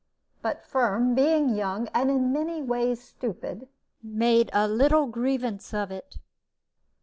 But Firm, being young and in many ways stupid, made a little grievance of it.